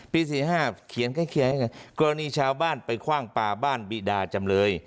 ปี๔๕เขียนแค่เคียงให้กันกรณีชาวบ้านไปคว่างป่าบ้านบิดาจำเลย